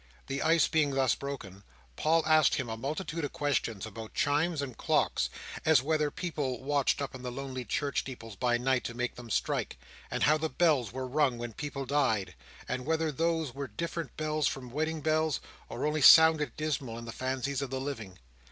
The ice being thus broken, Paul asked him a multitude of questions about chimes and clocks: as, whether people watched up in the lonely church steeples by night to make them strike, and how the bells were rung when people died, and whether those were different bells from wedding bells, or only sounded dismal in the fancies of the living.